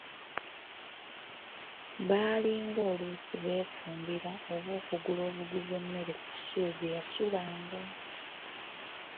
Baalinga oluusi beefumbira oba okugula obuguzi emmere ku kisulo gye yasulanga.